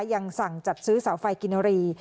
ยังสั่งจัดซื้อเสาไฟกินรี